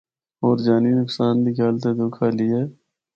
ہور جانی نقصان دی گل تے دُکھ آلی اے۔